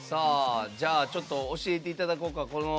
ちょっと教えていただこうか。